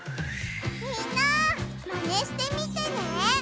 みんなマネしてみてね！